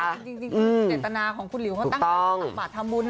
แต่จริงจริงเด็กตนาของคุณหลิวเขาตั้งแต่ประมาททำบุญ